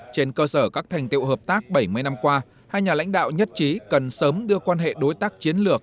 trên cơ sở các thành tiệu hợp tác bảy mươi năm qua hai nhà lãnh đạo nhất trí cần sớm đưa quan hệ đối tác chiến lược